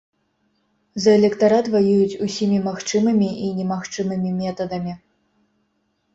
За электарат ваююць усімі магчымымі і немагчымымі метадамі.